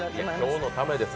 今日のためです。